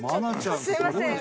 すいません。